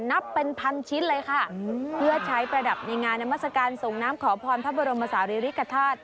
นับเป็นพันชิ้นเลยค่ะเพื่อใช้ประดับในงานนามัศกาลส่งน้ำขอพรพระบรมศาลีริกฐาตุ